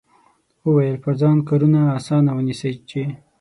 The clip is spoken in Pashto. وویل پر ځان کارونه اسانه ونیسئ چې.